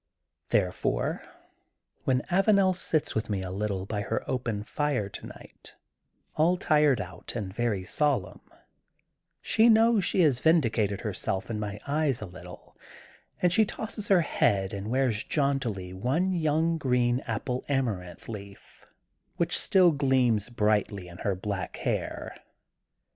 Therefore when Avanel sits with me a little by her open fire tonight, all tired out and very solemn she knows she has vindi cated herself in my eyes a little and she tosses her head and wears jauntily one young green THE GOLDEN BOOK OF SPRINGFIELD 189 Apple Amarenth leaf which still gleams brightly in her black hair.